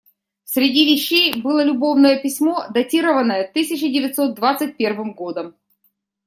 Среди вещей было любовное письмо, датированное тысяча девятьсот двадцать первым годом.